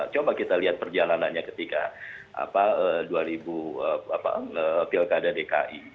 coba kita lihat perjalanannya ketika dua ribu pilkada dki